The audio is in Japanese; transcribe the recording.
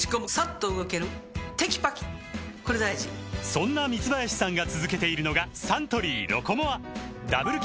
そんな三林さんが続けているのがサントリー「ロコモア」ダブル